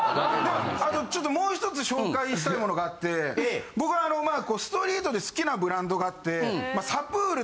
ちょっともうひとつ紹介したいものがあって僕はあのストリートで好きなブランドがあって。